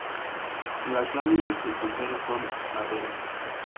Las láminas del sombrero son adherentes.